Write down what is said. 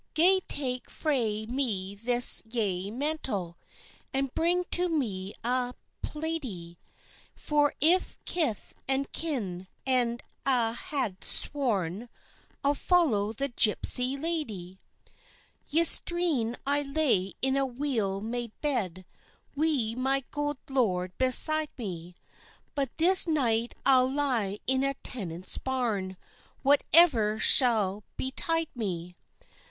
"Gae take frae me this yay mantle, And bring to me a plaidie; For if kith and kin, and a' had sworn, I'll follow the gypsy laddie. "Yestreen I lay in a weel made bed, Wi' my good lord beside me; But this night I'll lye in a tenant's barn, Whatever shall betide me!"